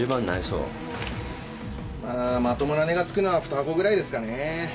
うんまともな値が付くのは２箱ぐらいですかね。